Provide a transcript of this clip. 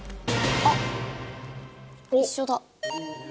あっ一緒だ。